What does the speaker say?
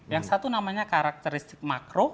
yang satu namanya karakteristik makro